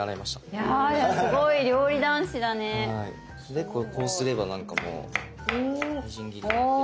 でこうすればなんかもうみじん切りになって。